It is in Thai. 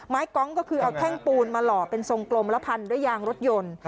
กองก็คือเอาแท่งปูนมาหล่อเป็นทรงกลมแล้วพันด้วยยางรถยนต์